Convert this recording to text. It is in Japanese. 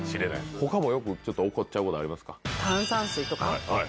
他もちょっと怒っちゃうことありますか？